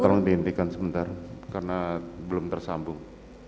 tolong dihentikan sebentar karena belum tersambung